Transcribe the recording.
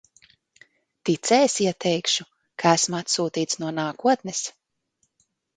Ticēsi, ja teikšu, ka esmu atsūtīts no nākotnes?